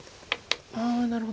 ああなるほど。